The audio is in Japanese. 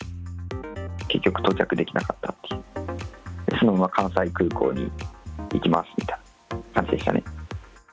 結局到着できなかったっていう、そのまま関西空港に行きますみたいな感じでしたね。